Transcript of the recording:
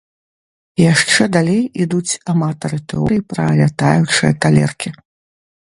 Яшчэ далей ідуць аматары тэорый пра лятаючыя талеркі.